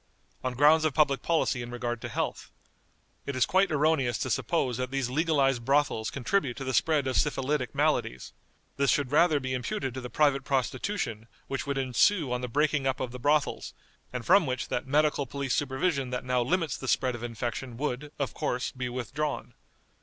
On grounds of public policy in regard to health. It is quite erroneous to suppose that these legalized brothels contribute to the spread of syphilitic maladies. This should rather be imputed to the private prostitution which would ensue on the breaking up of the brothels, and from which that medical police supervision that now limits the spread of infection would, of course, be withdrawn.